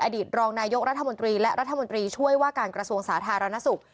อดีตรองนายกรัฐมนตรีและรัฐมนตรีช่วยว่าการกระทรวงสาธารณสุข